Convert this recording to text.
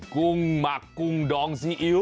กุ้งหมักกุ้งดองซีอิ๊ว